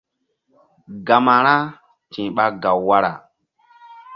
Gama ra ti̧h ɓa gaw wara.